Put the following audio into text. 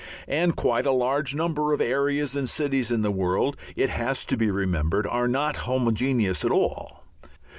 And quite a large number of areas and cities in the world, it has to be remembered, are not homogeneous at all.